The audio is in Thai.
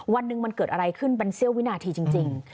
วันหนึ่งมันเกิดอะไรขึ้นมันเสี้ยววินาทีจริง